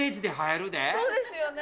そうですよね。